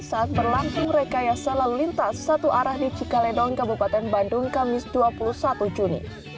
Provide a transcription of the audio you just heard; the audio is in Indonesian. saat berlangsung rekayasa lalu lintas satu arah di cikaledong kabupaten bandung kamis dua puluh satu juni